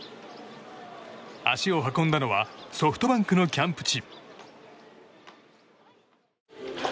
足を運んだのはソフトバンクのキャンプ地。